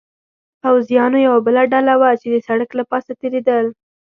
پوځیانو یوه بله ډله وه، چې د سړک له پاسه تېرېدل.